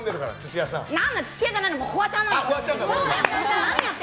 土屋じゃないのフワちゃんなの。